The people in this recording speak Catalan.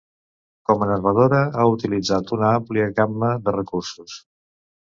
Com a narradora ha utilitzat una àmplia gamma de recursos.